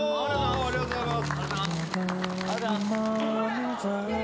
ありがとうございます。